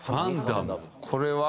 これは？